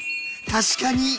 確かに。